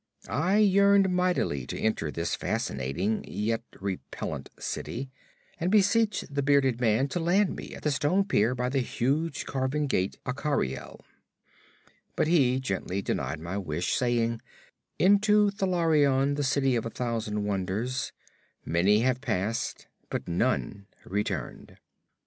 I yearned mightily to enter this fascinating yet repellent city, and besought the bearded man to land me at the stone pier by the huge carven gate Akariel; but he gently denied my wish, saying, "Into Thalarion, the City of a Thousand Wonders, many have passed but none returned.